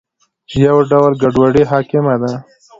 یو ډول ګډوډي حاکمه ده.